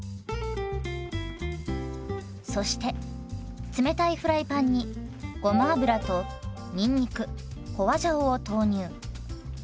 そして冷たいフライパンにごま油とにんにく花椒を投入。